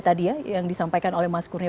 tadi ya yang disampaikan oleh mas kurnia